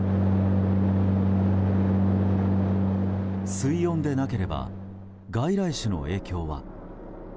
水温でなければ外来種の影響は？